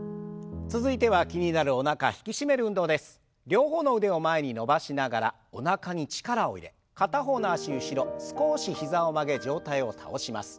両方の腕を前に伸ばしながらおなかに力を入れ片方の脚後ろ少し膝を曲げ上体を倒します。